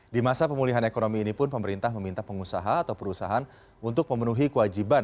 di masa pemulihan ekonomi ini pun pemerintah meminta pengusaha atau perusahaan untuk memenuhi kewajiban